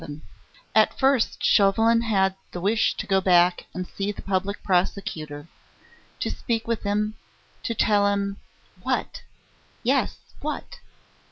XI At first Chauvelin had the wish to go back and see the Public Prosecutor to speak with him to tell him what? Yes, what?